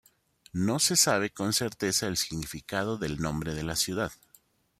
No se sabe con certeza el significado del nombre de la ciudad.